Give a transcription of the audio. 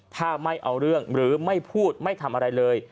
ถ้าไม่เอาเรื่องหรือไม่พูดไม่ทำอะไรเลย